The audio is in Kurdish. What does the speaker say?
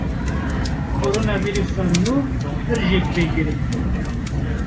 Koronavîrusa nû pir jêkvegir e.